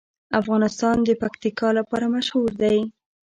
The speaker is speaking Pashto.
افغانستان د پکتیکا لپاره مشهور دی.